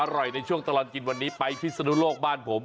ในช่วงตลอดกินวันนี้ไปพิศนุโลกบ้านผม